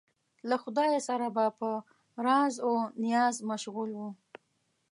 له خدایه سره به په راز و نیاز مشغول و.